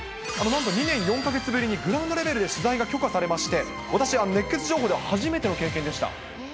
２年４か月ぶりにグラウンドレベルで取材が許可されまして、私、熱ケツ情報では初めての経験でした。